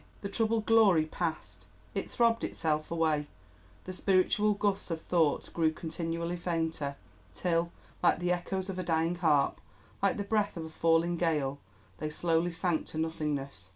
The troubled glory passed—it throbbed itself away; the spiritual gusts of thought grew continually fainter, till, like the echoes of a dying harp, like the breath of a falling gale, they slowly sank to nothingness.